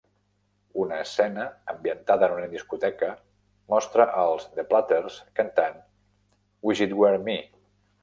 Una escena ambientada en una discoteca mostra els The Platters cantant "Wish It Were Me".